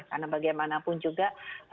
karena bagaimanapun juga